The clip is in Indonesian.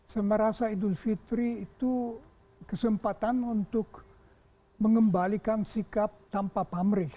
saya merasa idul fitri itu kesempatan untuk mengembalikan sikap tanpa pamrih